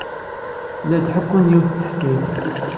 La d-ḥekkun yiwet n teḥkayt.